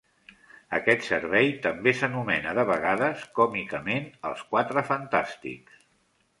Aquest servei també s'anomena de vegades, còmicament, "Els quatre fantàstics".